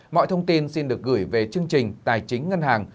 mọi thông tin xin được gửi về chương trình tài chính ngân hàng